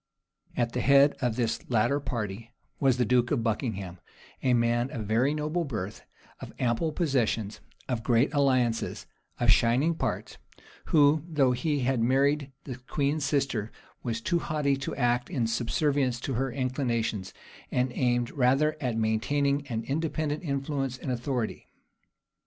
[*]* Sir Thomas More. p. 481. At the head of this latter party was the duke of Buckingham, a man of very noble birth, of ample possessions, of great alliances, of shining parts; who, though he had married the queen's sister, was too haughty to act in subserviency to her inclinations, and aimed rather at maintaining an independent influence and authority.